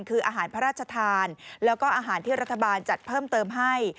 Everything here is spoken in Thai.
คืออาหารพระราชทานแล้วก็อาหารที่รัฐบาลจัดเพิ่มเติมให้